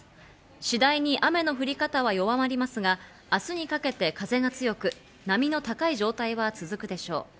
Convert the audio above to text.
次第に雨の降り方は弱まりますが明日にかけて風が強く、波の高い状態は続くでしょう。